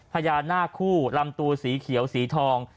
พญานาคคู่ลำตัวสีเขียวสีทอง